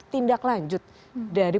tindak lanjut dari